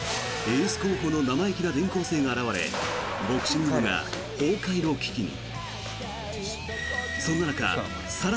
エース候補の生意気な転校生が現れボクシング部が崩壊の危機に。